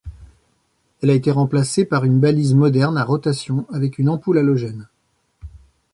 Elle a été remplacée par une balise moderne à rotation avec une ampoule halogène.